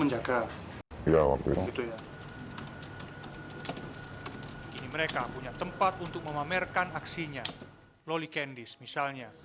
menjaga ya waktu itu ya ini mereka punya tempat untuk memamerkan aksinya loli kendis misalnya